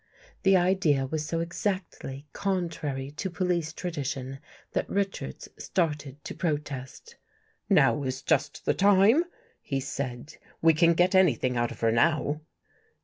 The idea was so exactly contrary to police tradi tion, that Richards started to protest. Now is just the time! " he said. " We can get anything out of her now."